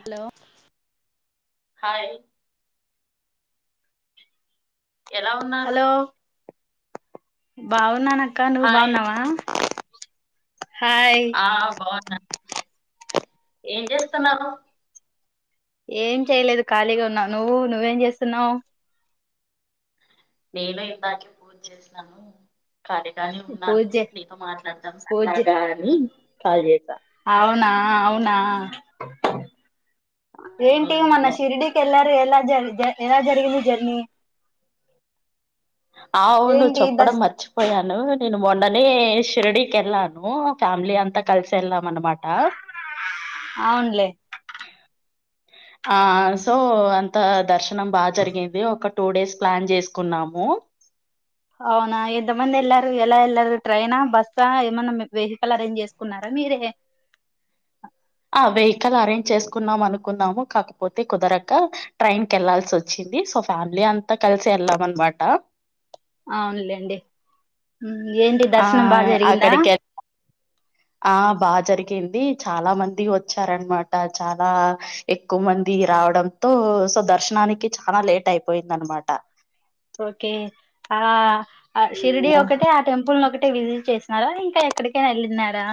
Hello hi ఎలా ఉన్నారు భావ నానక ఇంకా నువ్వు హాయ్. బాగున్నావా హాయ్ ఆ బా ఏం చేస్తున్నారు ఏం చేయలేదు ఖాళీగా ఉన్నావు నువ్వు నువ్వేం చేస్తున్నావు నేను ఇలాకే పూజ చేసాను కాలే కానే ఉన్నాను పూజే నీతో మాట్లాడదాం పూజే అలాగా అని కాగ అవునా అవునా ఏంటిటీ మన అవును. శిర్డికి ఎల్ ఎలా జ జ ఎలా జరిగంది జర్నీ అవును్వు ఏంటి చప్పడం దర్శ మర్చిపోయాను నేను మొండనే శిర్డికిెలాను ఫ్యామిలీ అంతా కలిస ఎల్లాం అనమాట అవునులే ఆ సో అంత దర్శన్ బాగా జరిగింది ఒక టూ డేస్ ప్లాన్ చేసుకున్నాము అవునా ఎంతమంది వెళ్ళారు ఎలా వెళ్లారు ట్రైనా బస్సా ఏమన్నా వెహికల్ అరేంజ్ చేసుకున్నారా మీరే ఆ వెహికల్ అరేంజ్ చేసుకున్నాం అనుకున్నాము కాకపోతే కుదరక ట్రైన్ కి వెళ్లాాల్సి వచ్చింది సో ఫ్యామిలీ అంతా కలిసి వెళ్ళాం అనమాట అవునులేండి ఏంటి ఆ దర్శనం బాగా జరిగిందా అక్కడికి ఆ బాగా జరిగింది ది చాలా మంది వచ్చారనమాట చాలా ఎక్కువ మంది రావడంతో సో దర్శనానికి చాలా లేట్ అయిపోయింది అనమాట ఓకే ఆ ఆ షీర్డి ఒకటే ఆ టెంపుల్ ను ఒకటి విజిట్ చేసిన్నారా ఇంకా ఎక్కడికైనా వెళ్ళినారా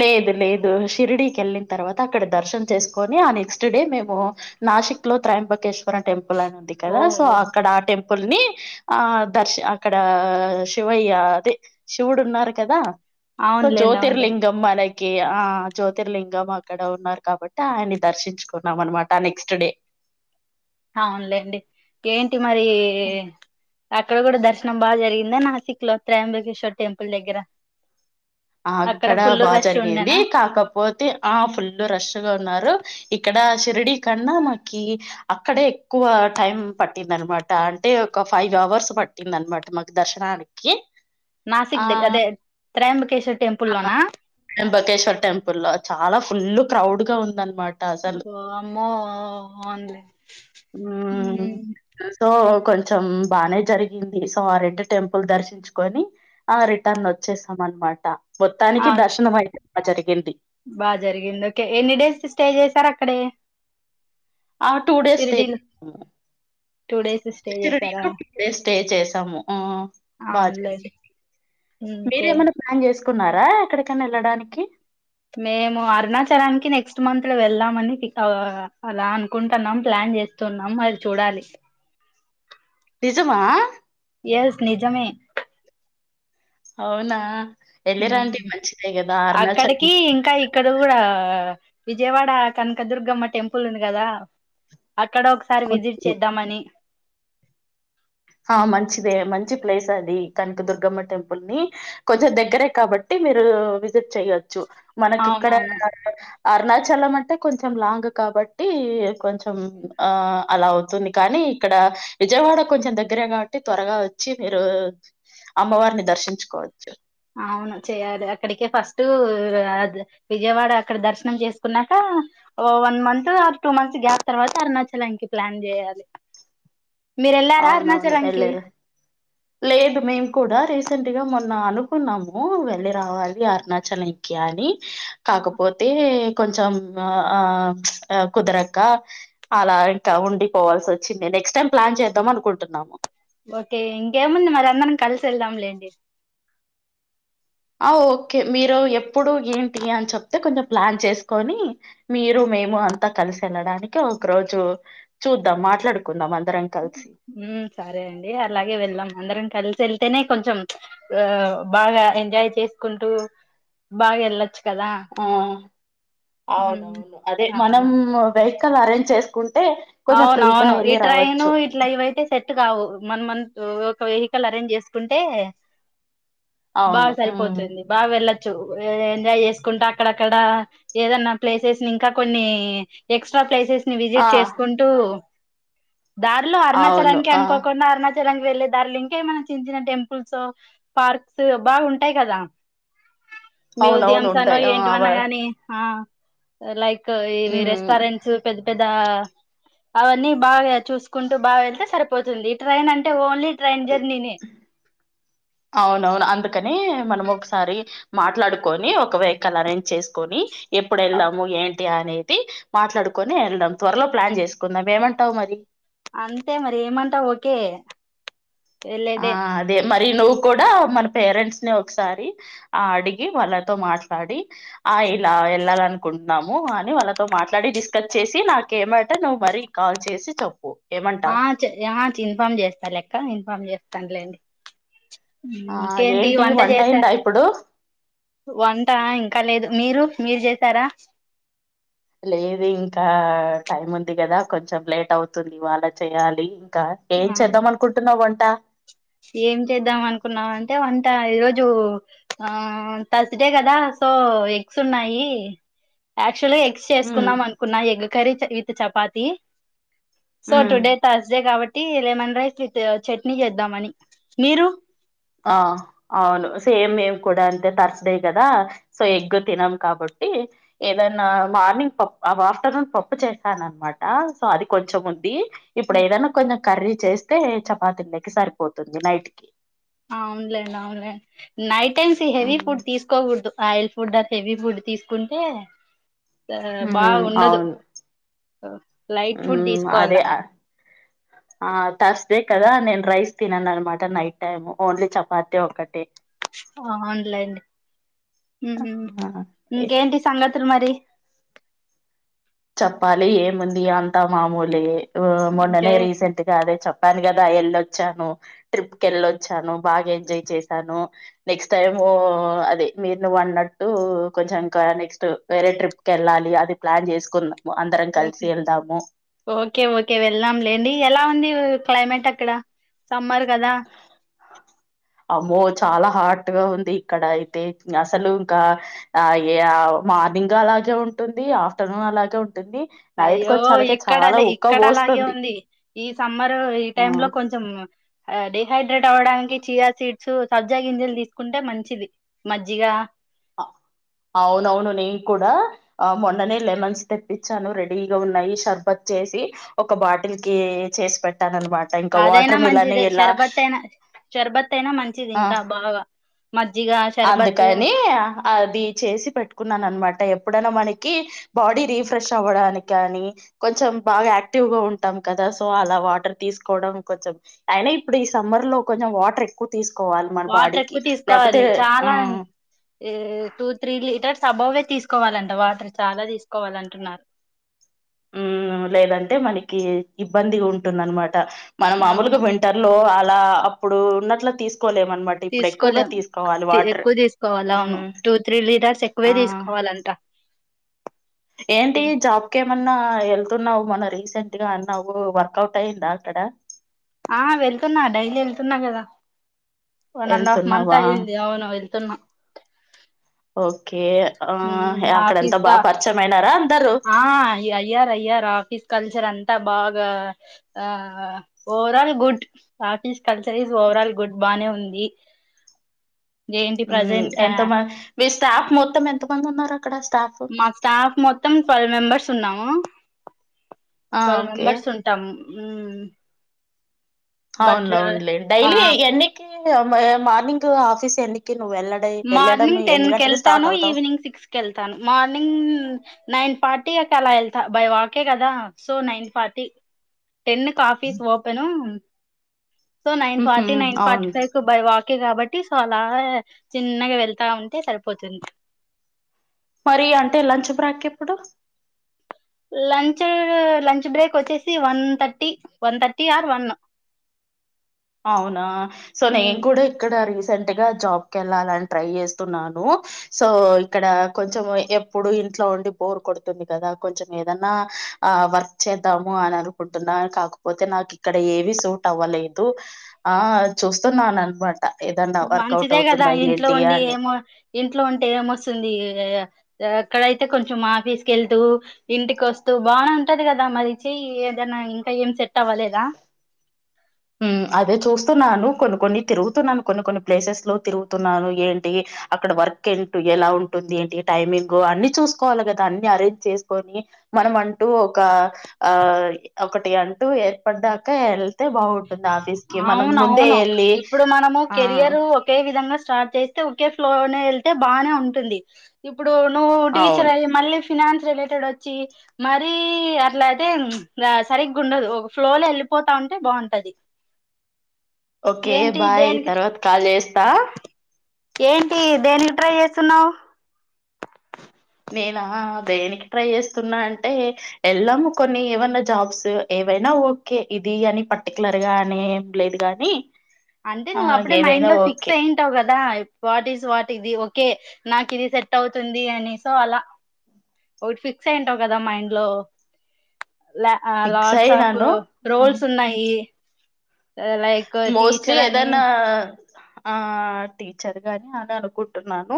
లేదు లేదు షిర్డికి వెళ్ళిన తర్వాత అక్కడ దర్శన చేసుకొని ఆ నెక్స్ట్ డే మేము నాసిక్ లో త్రయాంబకేశ్వరం టెంపుల్ ఉంది కదా సో ఓహో అక్కడ ఆ టెంపుల్ ల్ని ఆ దర్శ అక్కడ శివయ్య అదే శివుడు ఉన్నారు కదా సో అవునులేండి అవునులేండి జ్యోతిర్లింగం మనకి ఆ జ్యోతిర్లింగం అక్కడ ఉన్నారు కాబట్టి ఆయన్ని దర్శించుకున్నాం అనమాట నెక్స్ట్ డే అవునులేండి ఏంటి ఏంటి మరి అక్కడ కూడా దర్శనం బాగా జరిగిందా నాసిక్ లో త్రయాంబకేశ్వర్ టెంపుల్ దగ్గర ఆ అక్కడ ఫుల్ బాగా రష్ జరిగింది ఉండేనా కాకపోతే ఆ ఫుల్ రష్గా ఉన్నారు ఇక్కడ శిరిడి కన్నా మాకి అక్కడే ఎక్కువ టైం పట్టింది అనమాట అంటే ఒక ఫైవ్ అవర్స్ పట్టింది అనమాట మాకు దర్శనానికి నాసిక్ ఆ ద అదే త్రయంబ త్రయంబకేశ్వర్ టెంపుల్ లో చాలా ఫుల్లు క్రౌడ్ గా ఉందనమాట అసలు అమ్మ వన్లే మ్మ్ [unintelligible] సో కొంచెం బానే జరిగింది సో ఆ రెండు టెంపుల్ దర్శించుకొని ఆ రిటర్న్ వచ్చేసాం అనమాట మొత్తానికి దర్శనం అయితే జరిగింది బాగ జరిగింది ఓకే ఎన్ని డేస్ స్టే చేసారు అక్కడే ఆ టూ డేస్ స్టే షిరిడీలో టూ డేస్ స్టే చేస్తా చేసారా టూ డేస్ స్టే చేస్తా ాము బాగ జరిగింది అవునులేండి ఉమ్, ఓకే కున్నారా ఎక్కడికైనా వెళ్ళడానికి మేము అరుణాచలానికి నెక్స్ట్ మంత్ లో వెళ్దామని అలా అనుకుంటున్నాం ప్లాన్ చేస్తున్నాం అది చూడాలి నిజమా ఎస్ నిజమే అవునా ఎళ్ళిరండి మంచిదే గదా! అరుణాచల్ అక్కడికి ఇంకా ఇక్కడ కూడా విజయవాడ కనకదుర్గమ్మ టెంపుల్ ఉంది కదా అక్కడ ఒకసారి విజిట్ చేద్దామని ఆ మంచిదే మంచి ప్లేస్ అది కనుక దుర్గమ్మ టెంపుల్ ని కొంచెం దగ్గరే కాబట్టి మీరు విజిట్ చెయవచ్చు మనకి ఇక్కడ అవునవును అరుణాచలం అంటే కొంచెం లాంగ్ కాబట్టి కొంచెం ఆ అలా అవుతుంది కానీ ఇక్కడ విజయవాడ కొంచెం దగ్ దగ్గరే కాబట్టి త్వరగా వచ్చి మీరు అమ్మవారిని దర్శించుకోవచ్చు అవును చేయాలి అక్కడికే ఫస్ట్ విజయవాడ అక్కడ దర్శనం చేసుకున్నాక ఓ వన్ మంత్ ఆ టూ మంత్స్ గ్యాప్ తర్వాత అరుణాచలానికి ప్లాన్ చేయాలి మీరు వెళ్ళారా అవునవును అరుణాచలంకి ఎలిరు లేదు మేమ్ కూడా రేస్ సెంట్ గా మొన్న అనుకున్నాము వెళ్ళి రావాలి అరుణాచల్ ఇక అని కాకపోతే కొంచం ఆ కుదరక అలా ఇంకా ఉండిపోవాల్సి వచ్చింది నెక్స్ట్ టై ప్లాన్ ద్ద అనుకుంటున్నాము ఓకే ఇంకేముంది మరి అందరం కలిసి వెళ్దాంలేండి ఆ ఓకే మీరు ఎప్పుడు ఏంటి అని చెప్తే కొంచెం ప్లాన్ చేసుకొని మీరు మేము అంతా కలిసి వెళ్ళడానికి ఒక రోజు చూద్దాం మాట్లాడుకుందాం అందరం కలిసి ఉ సరే అండి అలాగే వెళ్ళాం అందరం కలిసి వెళ్తేనే కొంచెం ఆ బాగా ఎంజాయ్ చేసుకుంటూ బాగా వెళ్ళచ్చు ఆ ఉమ్, అవునవును అదే మనం వె అరంజ్ చేసుకుంట అవున అవును ఈ ట్రైన్ ఇట్లా ఇవయితే సెట్ టు కావు మన మన ఒక వెహికల్ అరేంజ్ చేసుకుంటే బా అవును ఉమ్ సరిపోతుంది బాగా వెళ్ళ ఎంజాయ్ చేసుకుంటే అక్కడక్కడ ఏదన్నా ప్లేసెస్ ని ఇంకా కొన్ని ఎక్స్ట్రా ప్లేసెస్ ఆ విజిట్ చేస్త కొ దారిలో అవును అరుణాచలానికి ఆ అనుకోకుండా అరుణాచల లాకి వెళ్ళే దరలో ఇంకా మనం చిన్న చిన్న టెంపుల్స్ పార్క్స్ బాగుంటాయి కదా అవునవును మ్యూజియంమ్స్ అనో ఉంటాయి ఆ అవ ఏంటివన్నా గాని ఆ లైక్ ఇవి ఉమ్ రెస్టారెంట్స్ పెద్ద పెద్ద దా అవన్నీ బాగా చూసుకుంటూ బాగా వెళ్తే సరిపోతుంది ట్రైన్ అంటే ఓన్లీ ట్రైన్ జర్నీనే అవునవును అంత అక్కనే మనం ఒకసారి మాట్లాడుకొని ఒక వెహికల్ అరేంజ్ చేసుకొని ఎప్పుడు ఎలాము ఏం అనేది మాట్లాడుకుొని వెల్దాం త్వరలో ప్లాన్ చేసుకుందాం ఏమంటావు మరి అంతే మరి ఏమంటా ఓకే ఆ వెళ్లేదే అదే మరి నువ్వు కూడా మన పేరెంట్స్ ని ఒక్కసారి ఆ అడిగి వాళ్ళతో మాట్లాడి ఆ ఇలా వెళ్లాలా అనుకుంటున్నాము అని వాళ్ళతో మాట్లాడి డిస్కస్ చేసి నాకే మాట నువ్వు మరీ కాల్ చేసి చెప్పు ఏమంటావు ఆ చే ఆ ఇన్ఫామ్ చేస్తా లే అక్క ఇన్ఫామ్ చేస్ తను లేండి ఆ ఇంకేంటి ఏంటి వంట చేసా అయిందా ఇప్పుడు వంట ఇంకా లేదు మీరు మీరు చే తారా లేదు ఇంకా టైం ఉంది కదా కొంచెం లేట్ అవుతుంది ఇవాళ చేయాలి కా ఏం ఆ చేద్దాం అనుకుంటున్నావు వన్ ట ఏం చేద్దాం అనుకున్నామంటే వంట ఈరోజు ఆ థర్స్డే కదా సో ఎగ్స్ ఉన్నాయి యాక్చువల్ గా ఎగ్స్ ఉమ్ చేసుకుందామనుకున్నా egg curry with chapati so um today Thursday కాబట్ట టి లెమన్ రైస్ విత్ చట్నీ చేద్దామని మీరు ఆ అవును సేమ్ మేం కూడా అంతే ఇప్పుడు ఏదన్నా కొంచెం కర్రీ చేస్తే చపాతీ లోకి సరిపోతుంది నైట్ కి అవునులేండి అవునులేండి నైట్ టైమ్స్ ఈ హెవీ ఉమ్ ఫుడ్ తీసుకోకూడదు ఆయిల్ ఫుడ్ అట హెవీ ఫుడ్ తీసుకుంటే ఉ బాగా ఉండదు అవును లైట్ ఫుడ్ ఉ అదే తీసుకోవాలా ఆ ఆ తర్స్ డే కదా నేను రైస్ తిననన్నమాట నైట్ టైం ఓన్లీ చపాతి ఒక్కటే అవునులేండి ఆ, ఊ చెప్పాలి ఏముంది అంతా మామూలే ఉ ఓకే మొన్ననే రీసెంట్గా అది చెప్ పాను కదా వెళ్ళొచ్చాను ట్రిప్ కి వెళ్ళొచ్చాను బాగా ఎంజాయ్ చేసాను నెక్స్ట్ టైం ము అది మీరు నువ్వు అన్నట్టు కొంచెం ఇంకా నెక్స్ట్ వేరే ట్రిప్ కి వెళ్ళాలి అది ప్లాన్ చేస్ కున్నా ఓకే ఓకే ఓకే వెళ్దాం లెండి లేండి ఎలా ఉంది క్లైమేట్ అక్కడ సమ్మర్ కదా అమ్మో చాలా హాట్ గా ఉంది ఇక్కడ అయితే అసలు ఇంకా ఏఈ మార్నింగ్ అలాగే ఉంటుంది ఆఫ్టర్నూన్ అలాగే ఉం అయ్యో ఇక్కడ లే ఉక్క ఇక్కడ అలాగే పోస్తుంది ఉంది ఈ సమ్మర్ ఈ ఆ టైమ్ లో కొంచెం ఆ డే డిహైడ్రేట్ అవ్వడానికి చియా సీడ్స్ యూ సబ్జా గింజలు తీసుకుంటే మంచిది మజ్జిగా ఆ అవునవును నేను కూడా ఆ మొన్ననే లెమన్స్ తెప్పించాను రెడీగా ఉన్నాయి షర్బత్ చేసి ఒక బాటిల్ కి చేసి పెట్టాను అనమాట ఇంకా అదైనా వాటర్ మిలన్ మంచిదే ఎలా షర్బత్ అయినా షర్బత్ అయినా మంచిది ఆ ఇంకా బాగా మజ్జిగ షర్బత్ అందుకని అది చేసి పెట్టుకున్నాను అనమాట ఎప్పుడైనా మన్ కీ బాడీ రీఫ్రెష్ అవ్వడానికి కానీ కొంచెం బాగా యాక్టివ్ గా ఉంటాం కదా, సో అలా వాటర్ తీసుకోవడం కొంచెం అయినా ఇప్పుడు ఈ సమ్మర్ లో కొంచెం వాటర్ ఎక్కువ తీస్ కోవాలి మన వాటర్ బాడీకి ఎక్కువ లేపోతే తీసుకోవాలి చాలా టూ త్రీ లీటర్స్ అబౌవే తీసుకోవాలంట వాటర్ చాలా తీస్కోవాలంటున్నారు. ఊ మ్మ్ లేదంటే మనకి ఇబ్బంది ఉంటుందనమాట. మనం మామూలుగా అవును వింటర్ లో ఆల్ లా అప్పుడు ఉన్నట్ల తీస్ తీసుకోలేం తీ వాటర్ ఎక్కువ తీసుకోవాలి అవును మ్ టూ త్రీ లీటర్స్ ఎక్కువే ఆ తీసుకోవాలంట. ఏంటి జాబ్కే మన్ న్నా వెళ్తున్నావు మన రీసెంట్ గా అన్నావు, వర్కౌట్ అయిందా అక్కడ? ఆ వెళ్తున్నా డైలీ వెళ్తున్నా కదా! వన్ అండ్ హాఫ్ మంత్ వెళ్తున్నావా అయింది అవును వెళ్తున్నా కే ఆ ఉమ్, అక్కడ ఎంత ఆఫీస్ గా బాగా పరిచమయినారా? ఆ అయ్ అయ్యారయ్యారు ఆఫీస్ కల్చర్ అంతా బాగా ఆ overall good, office culture is overall good బానే ఉంది ఏంటి హ్మ్ ప్రజెంట్ ఎంత మంద్ మీ స్టాఫ్ మొత్తం ఎంత మంది ఉన్నారు? అక్కడ స్టాఫ్ మా స్టాఫ్ మొత్తం ట్వెల్ మెంబర్స్ ఉన్నాము. ఆ ట్వెల్ ఓకే మెంబర్స్ ఉంటాం. ఊమ్మ్ అవును అవునులే ఆ డైలీ ఎన్నికి ఊ మే మార్నింగ్ ఆఫీస్ ఎన్నికి నువ్వు వెళ్ళడ వెళ్ళడం మార్నింగ్ టెన్ ఎన్ని గంటలకి స్టార్ట్ కెళ్తాను అవుతావు ఈవినింగ్ సిక్స్ కెళ్తాను మార్నింగ్ నైన్ ఫార్టీ కి అలా వెళ్తా బై వాకే కదా సో నైన్ ఫార్టీ టెన్ కి office open so nine forty ఉహుం, నైన్ ఫార్టీ అవును ఫై కు బై వాక్ కే కాబట్టి సో అలా చిన్నగ వెళ్తా ఉంటే సరిపోతుంది. మరి అంటే లంచ్ బ్రేక్ ఎప్పుడు? లంచ్ లంచ్ బ్రేక్ వచ్చేసి one thirty, one thirty or one అవునా సో నేను కూడా ఇక్కడ రీస్ సెంట్ గా జాబ్ కెళ్ళాలని ట్రై చేస్తున్నాను. సో ఇక్కడ కొంచెం ఎప్పుడు ఇంట్లో ఉండి బోరు కొడుతుంది కదా, కొంచెం ఏదన్నా ఆ వర్క్ చేద్దాము అని అనుకుంటున్నా కాకపోతే నాకు ఇక్కడ ఏవి సూట్ అవ్వలేదు. దు ఆ చూస్తున్నా నన్ మాట్ మంచిదే కదా ఇంట్లో ఉండి అని. ఏమో ఇంట్లో ఉంటే ఏమొస్తుంది ఎక్కడైతే కొంచెం ఆఫీస్కి వెళ్తూ ఇంటికి వస్తూ బానే ఉంటది కదా మరి చెయ్ ఏదైనా ఇంకా ఏం సెట్ అవ్వలేదా అదే చూస్తున్నాను కొన్ని కొన్ని తిరుగుతున్నాను కొన్ని కొన్ని ప్లేసెస్ లో తిరుగుతున్నాను ఏంటి అక్కడ వర్క్ ఏంట ఎలా ఉంటుంది ఏంటి టైమింగ్ అన్ని చూసుకోవాలి కదా అన్ని అరేంజ్ చేసుకొని మనం అంటూ ఒక ఆ ఒకటి అంటూ ఏర్పడ్దాకా వెళ్తే బా అవునవును ఇప్పుడు మనము ఆ! కెరియర్ ఒకే విధంగా స్టార్ట్ చేస్తే ఒకే ఫ్లోలోనే వెళ్తే బానే ఉంటుంది ఇ ప్పు ఇప్పుడు నువ్వు టీచర్ అవును. అయ్యి మళ్ళీ ఫినాన్స్ రిలేటెడ్ వచ్చి మరీ అట్లా అయితే సరిగ్గా ఉండదు ఒక ఫ్లోలో వెళ్ళిపోతా ఉంటే బాగుంటుంది అది ఓకే బాయ్ తర్వాత కాల్ చేస్తా ఏంటి దేనికి ట్రై చేస్తున్నావు నేనా దేనికి ట్రై చేస్తున్నా అంటే ఎల్లాము కొన్ని ఏమన్నా జాబ్స్ ఏవైనా ఓకే ఇది అని పర్టికులర్గా అనీ ఏం లేదు కానీ అంటే నువ్వు అప్పుడే మైండ్ లో ఫిక్స్ అయిింటావు కదా వాట్ ఇస్ వాట్ ఇది ఓకే నాకు ఇది సెట్ అవుతుంది అని సో అలా ఒకటి ఫిక్స్ అయింటావు కదా మైండ్ లో ఫిక్స్ లార్డ్స్ ఆఫ్ అయినాను రోల్స్ ఉన్నాయి లైక్ మోస్ట్లీ టీచర్ అని ఏదన్నా ఆ టీచర్ గాని అని అనుకుంటున్నాను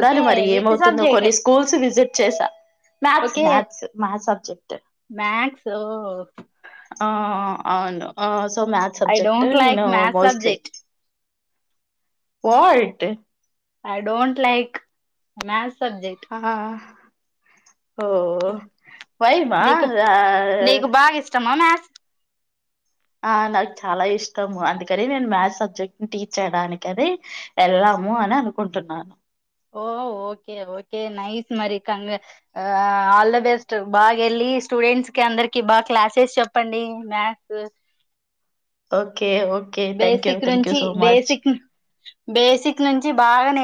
ఓకే మరి విచ్ ఏమవుతుందో సబ్జెక్ట్ కొన్ని స్కూల్స్ విజిట్ చేశా మ్యాథ్స్ ఓకే మ్యాథ్స్ మ్యాచర్ చెట్ట మ్యాథ్స్ ఓ ఆ అవును so maths I subject don't like నేను మ్యాథ్స్ మోస్ట్లీ సబ్జెక్ట్ పోయిట్ I don't like maths subject ఓ వైమా మా మ్యాస్ ఆ నాకు చాలా ఇష్టము అందుకని నేను మ్యాథ్స్ సబ్జెక్ట్ ని టీచ్ చేయడానినికి అని వెళ్ళాము అని అనుకుంటున్నాను ఓ ఓకే ఓకే నైస్ మరి కంగ ఆల్ ద బెస్ట్ బాగా వెళ్ళి స్టూడెంట్స్ కి అందరికి బాగా క్లాసెస్ చెప్పండి maths okay okay okay thank you basic thank you నుంచి సో మచ్ బేసిక్ బేసిక్ నుంచి బాగా నే